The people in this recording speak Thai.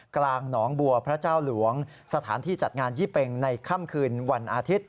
กลางหนองบัวพระเจ้าหลวงสถานที่จัดงานยี่เป็งในค่ำคืนวันอาทิตย์